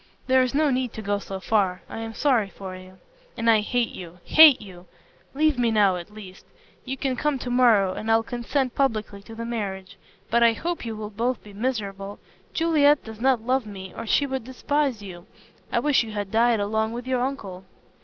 "There is no need to go so far. I am sorry for you." "And I hate you hate you! Leave me now at least. You can come to morrow, and I'll consent publicly to the marriage. But I hope you will both be miserable. Juliet does not love me or she would despise you. I wish you had died along with your uncle."